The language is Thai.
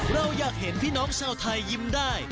เราอยากเห็นพี่น้องชาวไทยยิ้มได้